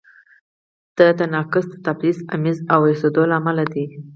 دا تناقض د تبعیض آمیز اوسېدو له امله دی.